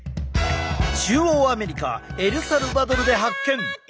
中央アメリカエルサルバドルで発見！